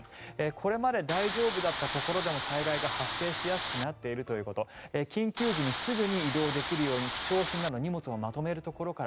これまで大丈夫だったところでも災害が発生しやすくなっているということ緊急時にすぐに移動できるように貴重品など荷物をまとめるところから。